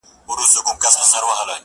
ستا د غرور حسن ځوانۍ په خـــاطــــــــر.